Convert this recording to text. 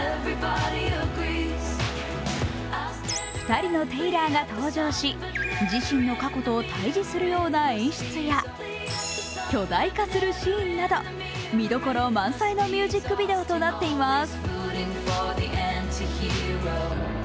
２人のテイラーが登場し自身の過去と対峙するような演出や、巨大化するシーンなど、見どころ満載のミュージックビデオとなっています。